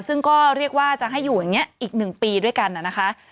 ซึ่งก็เรียกว่าจะให้อยู่อย่างนี้อีก๑ปีด้วยกันนะคะ